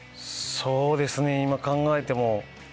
そうですね今考えても。